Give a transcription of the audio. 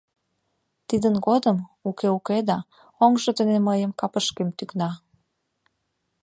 Тидын годым, уке-уке да, оҥжо дене мыйын капышкем тӱкна.